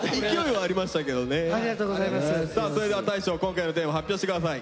さあそれでは大昇今回のテーマ発表して下さい。